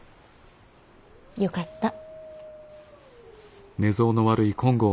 よかった。